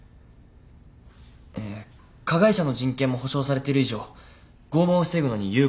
えー加害者の人権も保障されてる以上拷問を防ぐのに有効な黙秘権はあるべきです。